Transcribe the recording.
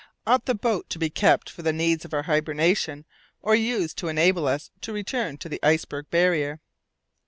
Ought the boat to be kept for the needs of our hibernation, or used to enable us to return to the iceberg barrier?